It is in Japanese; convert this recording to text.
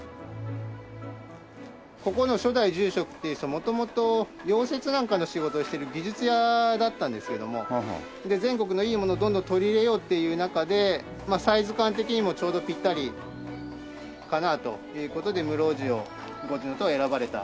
ここの初代住職っていう人元々溶接なんかの仕事をしている技術屋だったんですけども全国のいいものをどんどん取り入れようっていう中でサイズ感的にもちょうどピッタリかなという事で室生寺を五重塔を選ばれた。